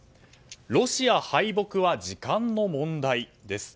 ロシア敗北は時間の問題？です。